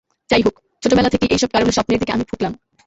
যাই হোক, ছোটবেলা থেকেই এইসব কারণে স্বপ্নের দিকে আমি ফুকলাম।